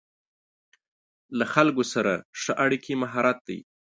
له خلکو سره ښه اړیکې مهارت دی.